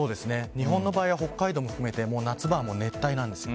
日本の場合は北海道も含めて夏場は熱帯なんです。